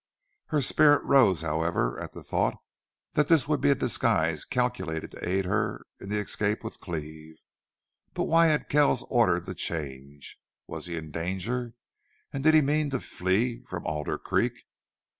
Her spirit rose, however, at the thought that this would be a disguise calculated to aid her in the escape with Cleve. But why had Kells ordered the change? Was he in danger and did he mean to flee from Alder Creek?